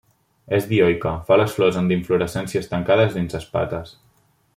És dioica, fa les flors en inflorescències tancades dins espates.